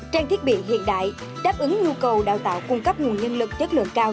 trang thiết bị hiện đại đáp ứng nhu cầu đào tạo cung cấp nguồn nhân lực chất lượng cao